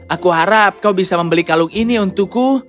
aku harap kau bisa membeli kalung ini untukku